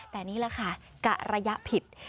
แต่นี่แหละค่ะกะระยะผิด